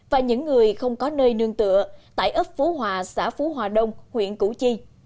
và những người không có nơi nương tựa tại ấp phú hòa xã phú hòa đông huyện củ chi